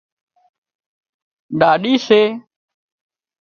ڏاڏِي سي